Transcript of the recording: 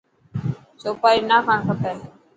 سوپاري نا کاڻ کپي.